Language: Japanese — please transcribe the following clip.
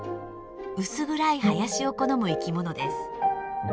薄暗い林を好む生きものです。